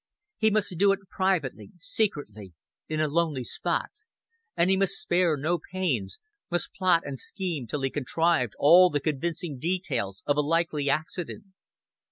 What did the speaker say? He must do it privately, secretly, in a lonely spot; and he must spare no pains, must plot and scheme till he contrived all the convincing details of a likely accident.